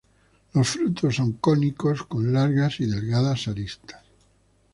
Los frutos son cónicos con largas y delgadas aristas.